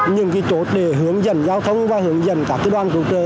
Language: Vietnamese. những cái chốt để hướng dẫn giao thông và hướng dẫn các đoàn cử trợ